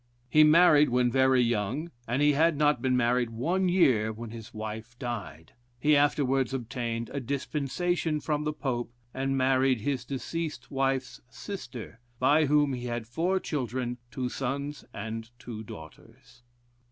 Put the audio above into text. He married when very young, and he had not been married one year when his wife died. He afterwards obtained a dispensation from the Pope, and married his deceased wife's sister, by whom he had four children, two sons and two daughters.